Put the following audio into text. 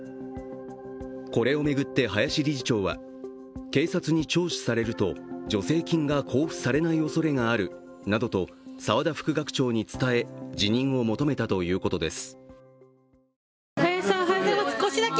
これを巡って林理事長は警察に聴取されると助成金が交付されないおそれがあるなどと沢田副学長に伝え、辞任を求めたということです。